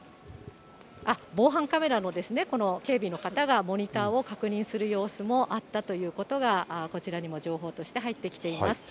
防犯カメラの警備の方がモニターを確認する様子もあったということがこちらにも情報として入ってきています。